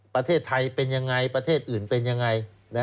ประเทศไทยเป็นยังไงประเทศอื่นเป็นยังไง